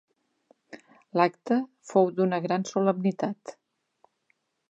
L'acte fou d'una gran solemnitat.